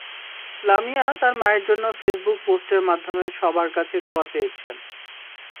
লামিয়া তার মায়ের জন্য ফেসবুক পোস্টের মাধ্যমে সবার কাছে দোয়া চেয়েছেন।